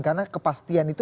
karena kepastian itu